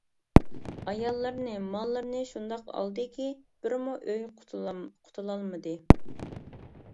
ئاياللىرىنى، ماللىرىنى شۇنداق ئالدىكى، بىرمۇ ئۆي قۇتۇلالمىدى.